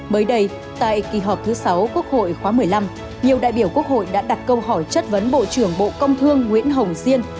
mới đây tại kỳ họp thứ sáu quốc hội khóa một mươi năm nhiều đại biểu quốc hội đã đặt câu hỏi chất vấn bộ trưởng bộ công thương nguyễn hồng diên